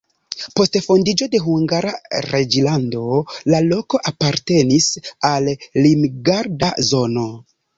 Post fondiĝo de Hungara reĝlando la loko apartenis al limgarda zono.